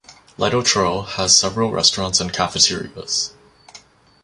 Litochoro has several restaurants and cafeterias.